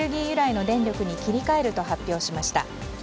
由来の電力に切り替えると発表しました。